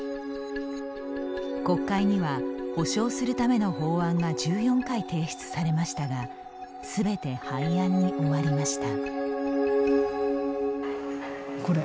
国会には補償するための法案が１４回提出されましたがすべて廃案に終わりました。